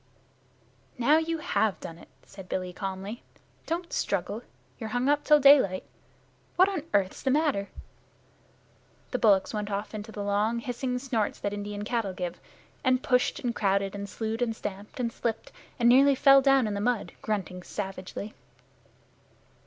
"Now you have done it," said Billy calmly. "Don't struggle. You're hung up till daylight. What on earth's the matter?" The bullocks went off into the long hissing snorts that Indian cattle give, and pushed and crowded and slued and stamped and slipped and nearly fell down in the mud, grunting savagely.